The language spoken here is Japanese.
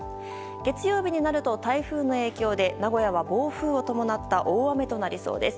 月曜日になると台風の影響で名古屋は暴風を伴った大雨となりそうです。